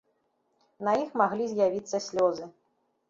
На іх маглі з'явіцца слёзы.